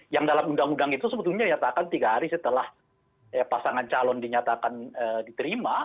yang dalam undang undang itu sebetulnya nyatakan tiga hari setelah pasangan calon dinyatakan diterima